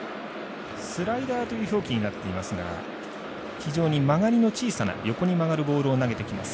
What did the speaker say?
スライダーという表記になっていますが非常に曲がりの小さな横に曲がるボールを投げてきます